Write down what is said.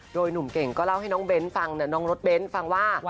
โดยหนุ่มเก่งก็เล่าให้น้องเบ้นฟังน้องรถเบ้นฟังว่า